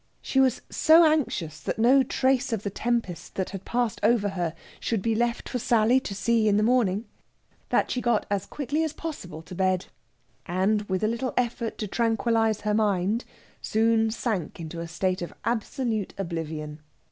She was so anxious that no trace of the tempest that had passed over her should be left for Sally to see in the morning that she got as quickly as possible to bed; and, with a little effort to tranquillise her mind, soon sank into a state of absolute oblivion.